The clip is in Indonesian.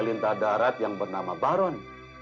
lintas darat yang bernama baron